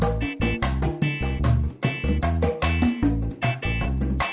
oh itu jangan dikarenakan